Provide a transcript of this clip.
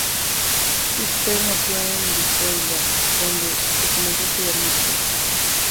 Fischer nació en Basilea en donde comenzó a estudiar música.